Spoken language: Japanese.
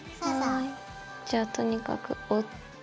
はいじゃあとにかく折って。